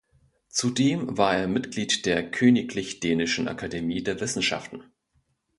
Zudem war er Mitglied der Königlich Dänischen Akademie der Wissenschaften.